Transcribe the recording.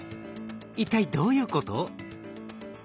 一体どういうこと？